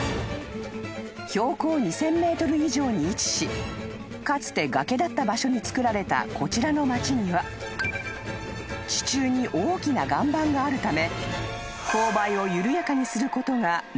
［標高２，０００ｍ以上に位置しかつて崖だった場所につくられたこちらの町には地中に大きな岩盤があるため］